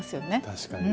確かに。